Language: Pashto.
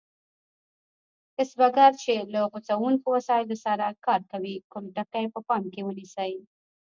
کسبګر چې له غوڅوونکو وسایلو سره کار کوي کوم ټکي په پام کې ونیسي؟